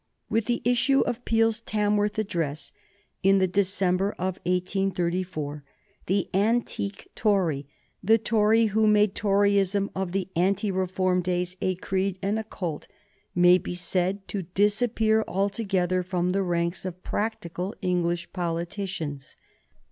With the issue of Peel's Tamworth address in the December of 1834, the antique Tory, the Tory who made Toryism of the ante reform days a creed and a cult, may be said to disappear altogether from the ranks of practical English politicians.